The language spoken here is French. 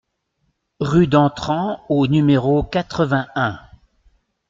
Rue d'Antran au numéro quatre-vingt-un